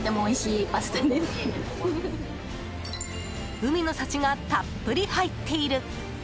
海の幸がたっぷり入っている。